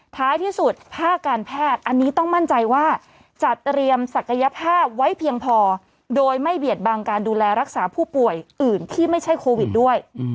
ท้ายที่สุดภาคการแพทย์อันนี้ต้องมั่นใจว่าจัดเตรียมศักยภาพไว้เพียงพอโดยไม่เบียดบังการดูแลรักษาผู้ป่วยอื่นที่ไม่ใช่โควิดด้วย